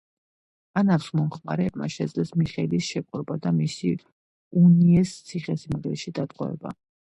ანას მომხრეებმა შეძლეს მიხეილის შეპყრობა და მისი უნიეს ციხესიმაგრეში დატყვევება.